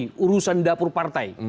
mencampuri urusan dapur partai